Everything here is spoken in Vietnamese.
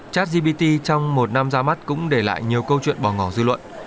chatgbt trong một năm ra mắt cũng để lại nhiều câu chuyện bỏ ngỏ dư luận